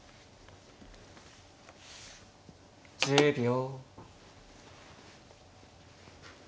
１０秒。